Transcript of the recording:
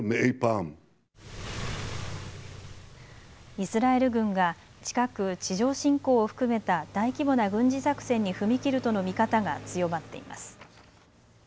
イスラエル軍が近く地上侵攻を含めた大規模な軍事作戦に踏み切るとの見方が強まっています。